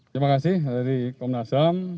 terima kasih dari komnas ham